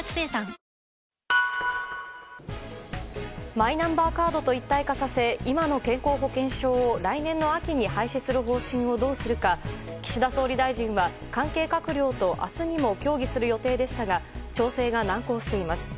マイナンバーカードと一体化させ今の健康保険証を来年の秋に廃止する方針をどうするか岸田総理大臣は関係閣僚と明日にも協議する予定でしたが調整が難航しています。